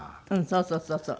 そうそうそうそう。